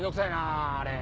あれ。